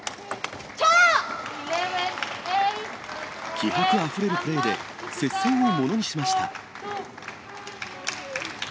気迫あふれるプレーで、接戦をものにしました。